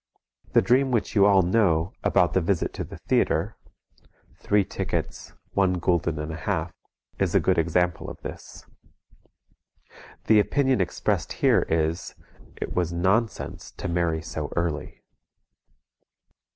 The dream which you all know, about the visit to the theatre (three tickets 1 Fl. 50 Kr.) is a good example of this. The opinion expressed here is: "It was nonsense to marry so early."